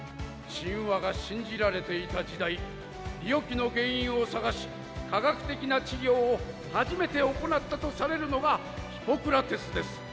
神話が信じられていた時代病気の原因を探し科学的な治療を初めて行ったとされるのがヒポクラテスです。